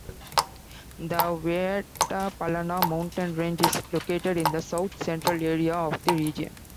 The Waytapallana mountain range is located in the south central area of the region.